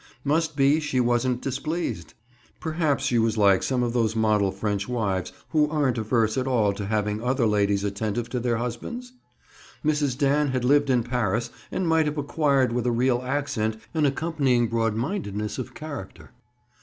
Must be she wasn't displeased! Perhaps she was like some of those model French wives who aren't averse at all to having other ladies attentive to their husbands? Mrs. Dan had lived in Paris and might have acquired with a real accent an accompanying broad mindedness of character.